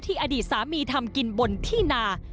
อดีตสามีทำกินบนที่นา